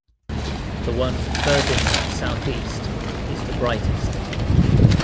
The one furthest southeast is the brightest.